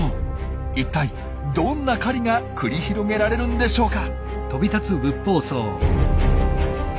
一体どんな狩りが繰り広げられるんでしょうか？